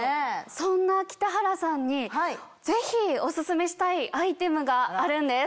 そんな北原さんにぜひオススメしたいアイテムがあるんです。